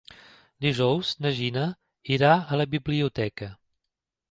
Dijous na Gina irà a la biblioteca.